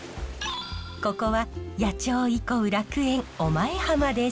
ここは野鳥憩う楽園御前浜です。